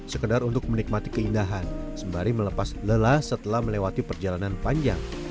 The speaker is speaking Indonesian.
sekedar untuk menikmati keindahan sembari melepas lelah setelah melewati perjalanan panjang